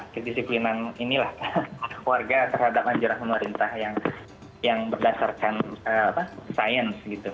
kedisiplinan inilah warga terhadap anjuran pemerintah yang berdasarkan sains